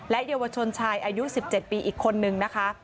เยาวชนชายอายุ๑๗ปีอีกคนนึงนะคะ